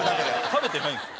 食べてないんですよ。